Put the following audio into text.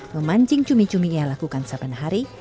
memancing cumi cumi yang lakukan sapan hari